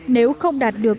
nếu không đạt được